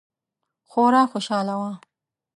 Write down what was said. خورا خوشحاله وه.